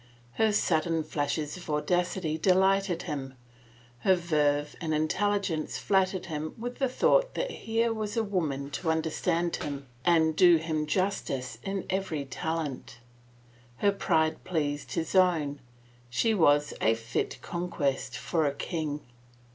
Her sudden flashes of audacity delighted him, her verve and intelligence flattered him with the thought that here was a woman to understand him and do him justice in every talent. Her pride pleased his own. She was a fit conquest for a king.